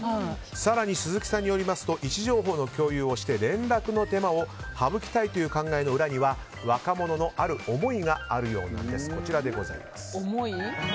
更に鈴木さんによりますと位置情報の共有をして連絡の手間を省きたいという考えの裏には若者のある思いがあるようなんです。